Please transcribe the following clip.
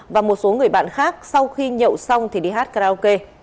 và một số người bạn khác sau khi nhậu xong thì đi hát karaoke